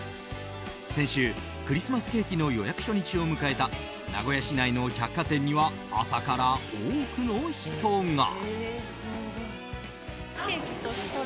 先週、クリスマスケーキの予約初日を迎えた名古屋市内の百貨店には朝から多くの人が。